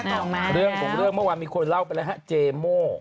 อ้าวเรื่องเมื่อวานมีคนเล่าไปแล้วฮะเจโม่